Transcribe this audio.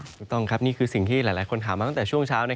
ถูกต้องครับนี่คือสิ่งที่หลายคนถามมาตั้งแต่ช่วงเช้า